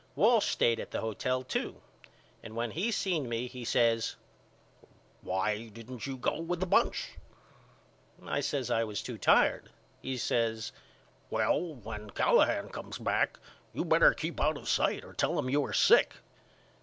Walsh stayed at the hotel too and when he seen me he says Why didn't you go with the bunch? I says I was too tired. He says Well when Callahan comes back you better keep out of sight or tell him you are sick.